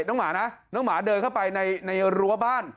น้องหมาเดินเข้าไปในรั้วบ้าน